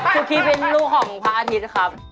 กุ๊กกี้เป็นลูกของพระอาทิตย์ครับ